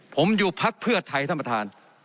ผมอยู่พักเพื่อไทยท่านประธาน